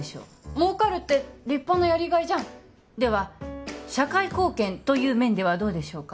儲かるって立派なやりがいじゃんでは社会貢献という面ではどうでしょうか？